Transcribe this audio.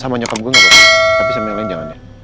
sama nyokap gue gak boleh tapi sama yang lain jangan ya